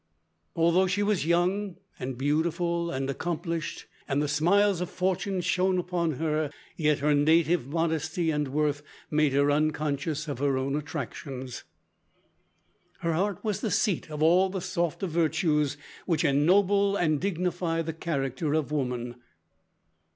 "Although she was young and beautiful and accomplished, and the smiles of fortune shone upon her, yet her native modesty and worth made her unconscious of her own attractions. Her heart was the seat of all the softer virtues which ennoble and dignify the character of woman.